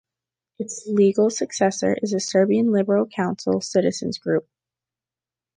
Its legal successor is the Serbian Liberal Council citizen's group.